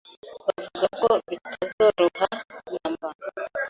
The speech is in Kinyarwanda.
bavuga ko bitazoroha namba